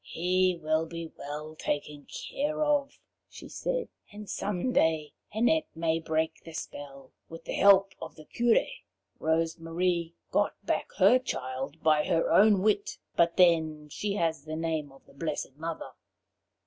"He will be well taken care of," she said, "and someday Annette may break the spell, with the help of the Curé. Rose Marie got back her child by her own wit, but then she has the name of the blessed Mother.